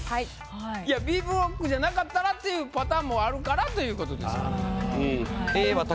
いやＢブロックじゃなかったらっていうパターンもあるからという事ですから。